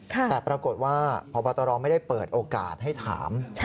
แต่ปรากฏว่าพบตรไม่ได้เปิดโอกาสให้ถาม